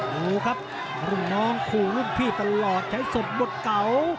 โหครับลุงน้องคู่ลูกพี่ตลอดใช้ศพบทเก่า